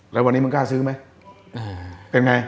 แล้ววันนี้มึงกล้าซื้อไหมเป็นไง